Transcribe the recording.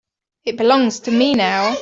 It belongs to me now.